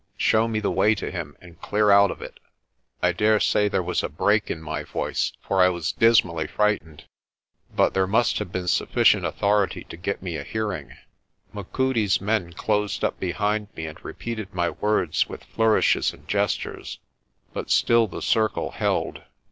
Show me the way to him, and clear out of it." I daresay there was a break in my voice for I was dis mally frightened, but there must have been sufficient au thority to get me a hearing. Machudi's men closed up behind me and repeated my words with flourishes and ges tures. But still the circle held.